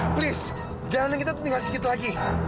tolong jalanan kita tinggal di situ lagi